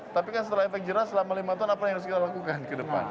tapi kan setelah efek jerah selama lima tahun apa yang harus kita lakukan ke depan